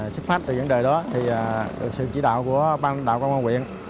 xét pháp từ vấn đề đó được sự chỉ đạo của bang lãnh đạo công an huyện